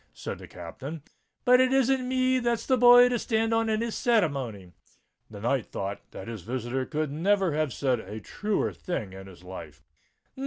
said the Captain: "but it isn't me that's the boy to stand on any ceremony." The knight thought that his visitor could never have said a truer thing in his life.